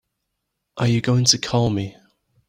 Are you going to call me?